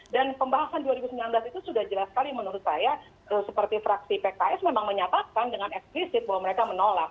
pembahasan dua ribu sembilan belas itu sudah jelas sekali menurut saya seperti fraksi pks memang menyatakan dengan eksplisit bahwa mereka menolak